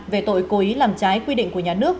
về tội cố ý làm trái quy định của nhà nước